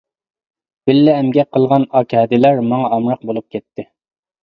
بىللە ئەمگەك قىلغان ئاكا-ھەدىلەر ماڭا ئامراق بولۇپ كەتتى.